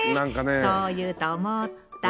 そう言うと思った。